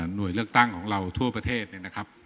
หน่วยเลือกตั้งของเราทั่วประเทศเนี่ยนะครับ